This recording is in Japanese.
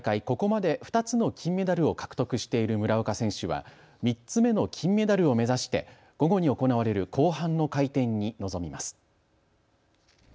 ここまで２つの金メダルを獲得している村岡選手は３つ目の金メダルを目指して午後に行われる後半の回転に臨みます。